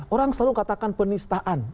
orang selalu katakan penistaan